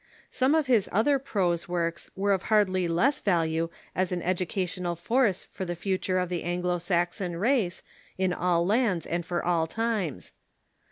Some of his other prose works were of hardly less value as an edu cational force for the future of the Anglo Saxon race in all lands and for all times.